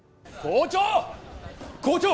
校長！